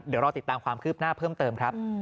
เดี๋ยวรอติดตามความคืบหน้าเพิ่มเติมครับ